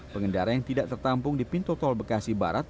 pengendara yang tidak tertampung di pintu tol bekasi barat